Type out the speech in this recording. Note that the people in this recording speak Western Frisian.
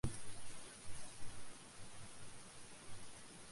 De byienkomsten wurde op de twadde moandeitejûn fan de moanne holden.